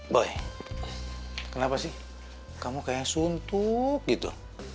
boy kenapa sih kamu kayak suntuk gitu